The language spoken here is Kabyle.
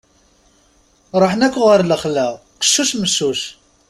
Ruḥen akk ɣer lexla: qeccuc meccuc.